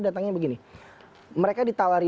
datangnya begini mereka ditawari